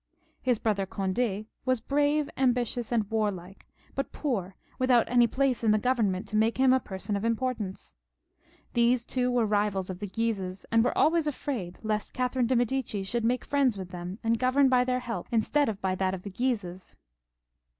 His brother Cond^ was brave, ambitious, and war like, but poor, without any place in the Government to make him a person of importance. These two were rivals of the Guises, who were always afraid lest Catherine of Medicis should make friends with them, and govern by their help instead of by that of the Guises.